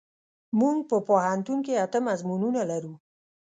مونږ په پوهنتون کې اته مضمونونه لرو.